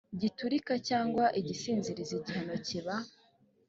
giturika cyangwa igisinziriza igihano kiba